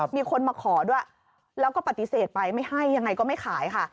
มีคนมาขอด้วยแล้วก็ปฏิเสธไปไม่ให้ยังไงก็ไม่ขายค่ะ